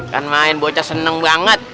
kan main bocah senang banget